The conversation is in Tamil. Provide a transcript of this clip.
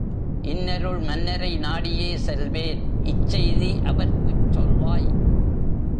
இன்னருள் மன்னரை நாடியே செல்வேன் இச்செய்தி அவற்குச் சொல்வாய்!